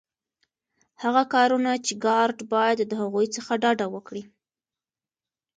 هغه کارونه چي ګارډ باید د هغوی څخه ډډه وکړي.